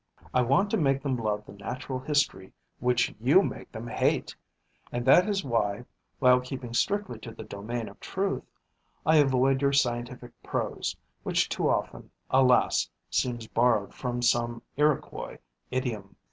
I want to make them love the natural history which you make them hate; and that is why, while keeping strictly to the domain of truth, I avoid your scientific prose, which too often, alas seems borrowed from some Iroquois idiom.